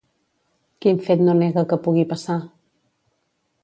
Quin fet no nega que pugui passar?